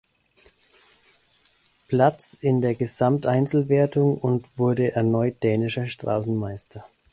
Platz in der Gesamteinzelwertung und wurde erneut dänischer Straßenmeister.